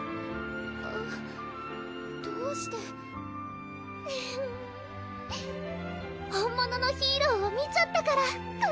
どうして本物のヒーローを見ちゃったからかな？